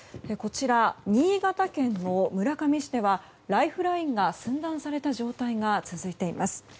新潟県の村上市ではライフラインが寸断された状態が続いています。